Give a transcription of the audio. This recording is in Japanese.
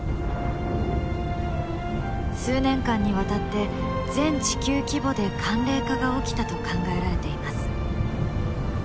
数年間にわたって全地球規模で寒冷化が起きたと考えられています。